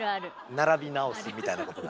並び直すみたいなことだね。